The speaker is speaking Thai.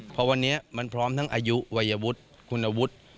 พอวันนี้มันพร้อมทั้งอายุวัยวุฒิคุณวุฒิ